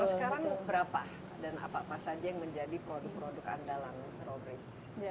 kalau sekarang berapa dan apa apa saja yang menjadi produk produk andalan robris